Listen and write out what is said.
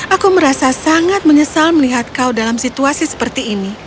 aku merasa sangat menyesal melihat kau dalam situasi seperti ini